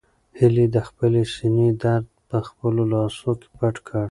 هیلې د خپلې سېنې درد په خپلو لاسو کې پټ کړ.